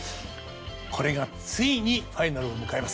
これがついにファイナルを迎えます。